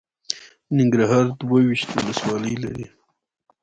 ننګرهار دوه ویشت ولسوالۍ لري.